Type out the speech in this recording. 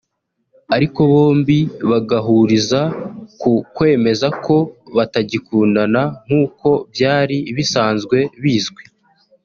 ariko bombi bagahuriza ku kwemeza ko batagikundana nk’uko byari bisanzwe bizwi